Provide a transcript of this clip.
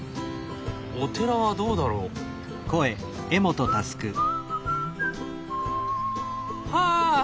お寺はどうだろう？はあ！